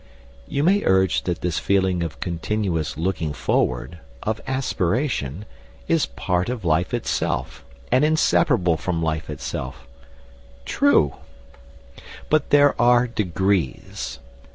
You may urge that this feeling of continuous looking forward, of aspiration, is part of life itself, and inseparable from life itself. True! But there are degrees.